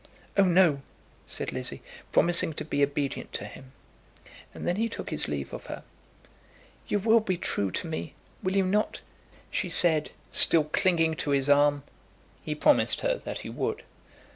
"Oh, no," said Lizzie, promising to be obedient to him. And then he took his leave of her. "You will be true to me; will you not?" she said, still clinging to his arm. He promised her that he would.